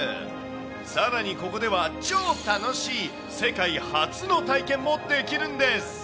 さらにここでは、超楽しい、世界初の体験もできるんです。